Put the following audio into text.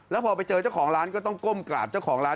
แล้วพอไปเจอเจ้าของร้านก็ต้องก้มกราบเจ้าของร้าน